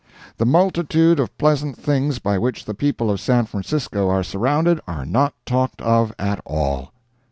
The multitude of pleasant things by which the people of San Francisco are surrounded are not talked of at all.